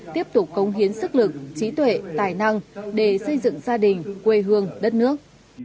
tiếp tục công hiến sức lực trí tuệ tài năng để xây dựng gia đình quê hương